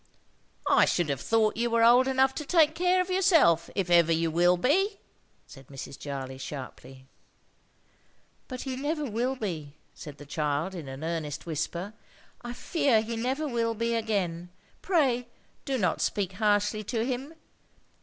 "I should have thought you were old enough to take care of yourself, if ever you will be," said Mrs. Jarley sharply. "But he never will be," said the child, in an earnest whisper. "I fear he never will be again. Pray do not speak harshly to him.